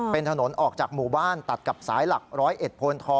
เป็นถนนออกจากมุมบ้านตัดกับสายหลัก๑๐๑พท